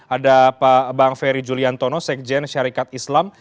ada pak bang ferry julian tono sekjen syarikat islam